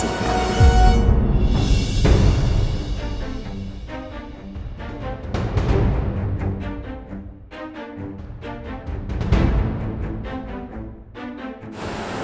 dan kapan saya harus bersihkan